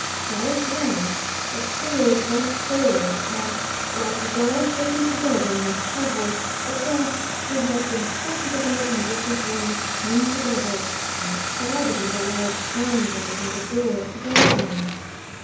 Bells rang, the stewards rushed forward, and—like rye shaken together in a shovel—the guests who had been scattered about in different rooms came together and crowded in the large drawing room by the door of the ballroom.